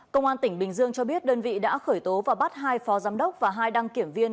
công an tỉnh bình dương cho biết đơn vị đã khởi tố và bắt hai phó giám đốc và hai đăng kiểm viên